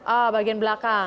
oh bagian belakang